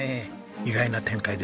意外な展開です。